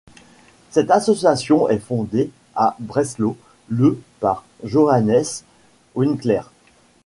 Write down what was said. Cette association est fondée à Breslau le par Johannes Winkler.